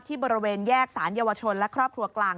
บริเวณแยกสารเยาวชนและครอบครัวกลาง